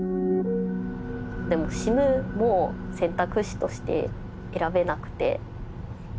でも「死ぬ」も選択肢として選べなくて。